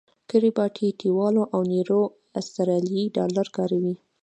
کیریباټی، ټیوالو او نیرو اسټرالیایي ډالر کاروي.